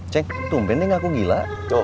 cek tumpen yang aku gila